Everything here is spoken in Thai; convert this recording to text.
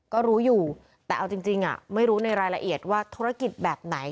ก็รู้อยู่แต่เอาจริงไม่รู้ในรายละเอียดว่าธุรกิจแบบไหน